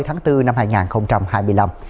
ba mươi tháng bốn năm hai nghìn hai mươi năm